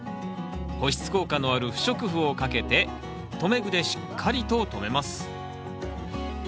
保湿効果のある不織布をかけて留め具でしっかりと留めます。